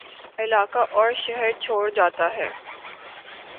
علاقہ اور شہرچھوڑ جاتا ہے